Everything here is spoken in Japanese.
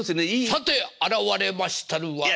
「さて現れましたるは」。